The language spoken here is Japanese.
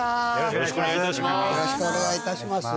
よろしくお願いします。